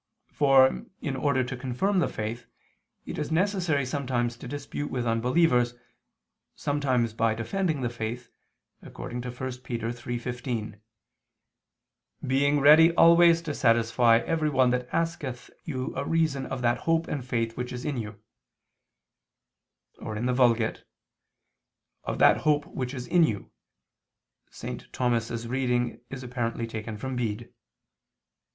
For, in order to confirm the faith, it is necessary sometimes to dispute with unbelievers, sometimes by defending the faith, according to 1 Pet. 3:15: "Being ready always to satisfy everyone that asketh you a reason of that hope and faith which is in you [*Vulg.: 'Of that hope which is in you'; St. Thomas' reading is apparently taken from Bede]."